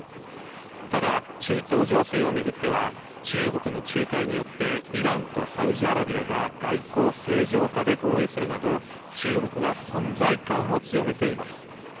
ただ、中東情勢を巡っては中国の仲介によってイランとサウジアラビアが外交正常化で合意するなど中国が存在感を強めています。